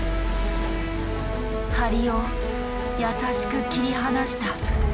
梁を優しく切り離した。